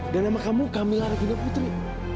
dan nama kamu kamila regina putri